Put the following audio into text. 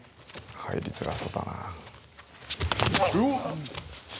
入りづらそうだな。